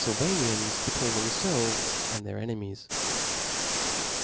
filvanians, between themfelves and their enemies.